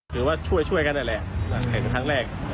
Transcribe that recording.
คือว่าช่วยกันแหละแหละ